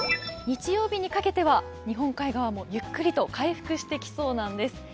日曜日にかけては日本海側もゆっくりと回復してきそうなんです。